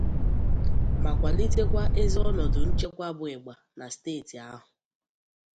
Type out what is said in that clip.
ma kwàlitekwa ezi ọnọdụ nchekwa bụ ịgbà na steeti ahụ.